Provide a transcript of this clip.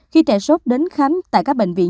khi trẻ sốt đến khám tại các bệnh viện